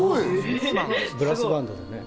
ブラスバンドでね。